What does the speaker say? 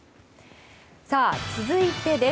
続いてです。